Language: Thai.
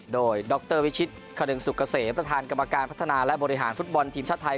โดยดรวิชิตคลึงสุกเกษมประธานกรรมการพัฒนาและบริหารฟุตบอลทีมชาติไทย